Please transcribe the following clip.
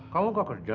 kamu gak kerja